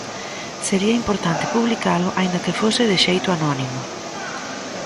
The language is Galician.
Sería importante publicalo, aínda que fose de xeito anónimo.